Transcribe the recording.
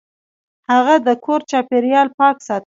هغه د کور چاپیریال پاک ساته.